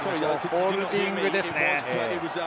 ホールディングですね。